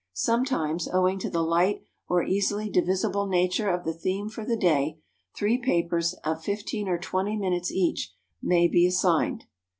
Sometimes, owing to the light or easily divisible nature of the theme for the day, three papers, of fifteen or twenty minutes each, may be assigned.